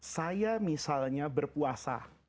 saya misalnya berpuasa